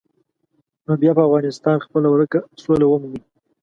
نو بیا به افغانستان خپله ورکه سوله ومومي.